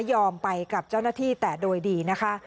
ไปกับเจ้าหน้าที่แต่โดยดีนะคะ